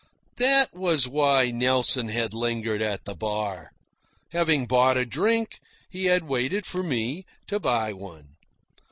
That was why Nelson had lingered at the bar. Having bought a drink, he had waited for me to buy one.